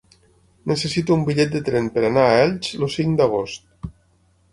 Necessito un bitllet de tren per anar a Elx el cinc d'agost.